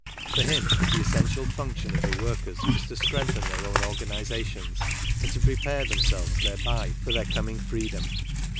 For him the essential function of the workers was to strengthen their own organizations and to prepare themselves thereby for their coming freedom.